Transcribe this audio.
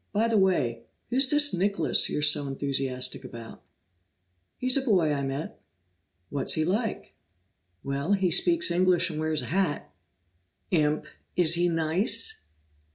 "By the way, who's this Nicholas you're so enthusiastic about?" "He's a boy I met." "What's he like?" "Well, he speaks English and wears a hat." "Imp! Is he nice?"